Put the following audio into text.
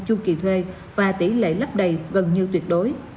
chu kỳ thuê và tỷ lệ lấp đầy gần như tuyệt đối